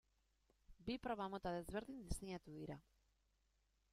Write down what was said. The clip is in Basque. Bi proba mota desberdin diseinatu dira.